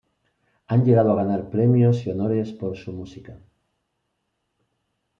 Han llegado a ganar premios y honores por su música.